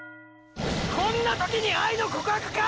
こんな時に愛の告白か！！